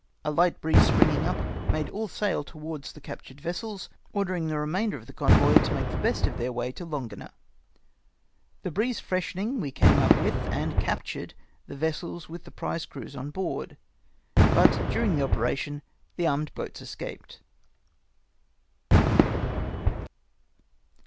A light breeze springing up, made all sail towards the captured vessels, ordering the remainder of the convoy to make the best of their way to Longona. The breeze freshening we came up with and recaptured the vessels with the prize crews on board, but during the operation the armed boats escaped.